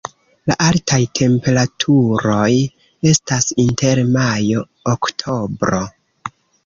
La altaj temperaturoj estas inter majo-oktobro.